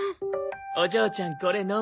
お嬢ちゃんこれ飲む？